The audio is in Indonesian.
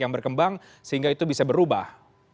yang berkembang sehingga itu bisa berubah